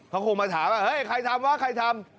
เขาคงมาถามว่าเฮ้ยใครทำวะใครทำ